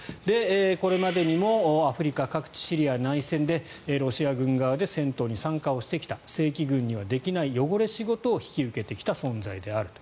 これまでにもアフリカ各地、シリア内戦でロシア軍側で戦闘に参加をしてきた正規軍にはできない汚れ仕事を引き受けてきた存在であると。